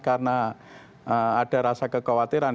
karena ada rasa kekhawatiran